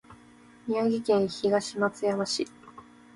宮城県東松島市